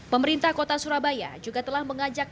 pemerintah kota surabaya juga telah mengajak